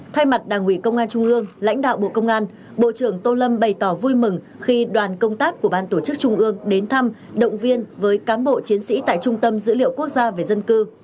thay mặt đảng ủy công an trung ương lãnh đạo bộ công an bộ trưởng tô lâm bày tỏ vui mừng khi đoàn công tác của ban tổ chức trung ương đến thăm động viên với cán bộ chiến sĩ tại trung tâm dữ liệu quốc gia về dân cư